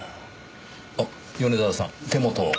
あっ米沢さん手元を。